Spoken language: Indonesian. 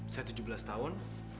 saya tujuh belas tahun